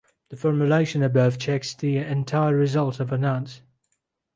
The formulation above checks the entire result of an add.